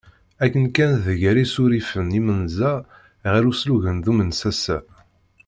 Akken kan tger isurifen imenza ɣer uslugen d usemsasa.